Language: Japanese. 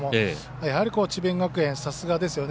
やはり智弁学園、さすがですよね。